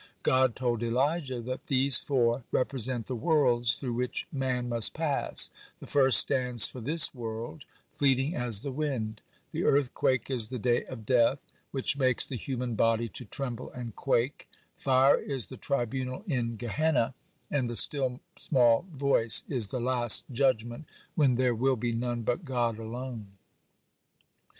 God told Elijah that these four represent the worlds through which man must pass: the first stands for this world, fleeting as the wind; the earthquake is the day of death, which makes the human body to tremble and quake; fire is the tribunal in Gehenna, and the still small voice is the Last Judgment, when there will be none but God alone.